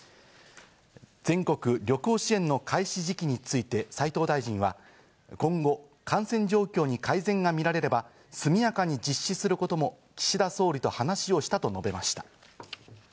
全国旅行支援の開始時期について斉藤大臣は今後、感染状況に改善が見られれば速やかに実施することも岸田総理と話をしたと述べました。